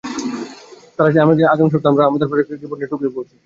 তারা চায় আগামী সপ্তাহে আমরা আমাদের প্রোজেক্ট রিপোর্ট নিয়ে টোকিও পৌছি।